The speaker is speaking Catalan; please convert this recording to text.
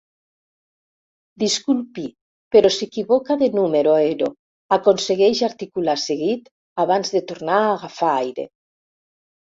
Disculpi, però s'equivoca de número ero —aconsegueix articular seguit abans de tornar a agafar aire—.